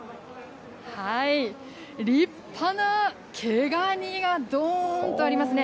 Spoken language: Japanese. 立派な毛ガニがどーんとありますね。